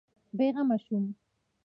بېغمه شوم.